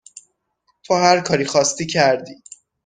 تو هر کاری خواستی کردی